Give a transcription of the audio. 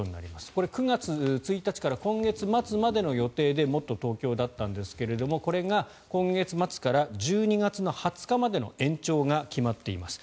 これ９月１日から今月末までの予定でもっとＴｏｋｙｏだったんですがこれが今月末から１２月の２０日までの延長が決まっています。